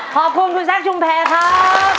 ขอบคุณคุณซักชุมแผนครับ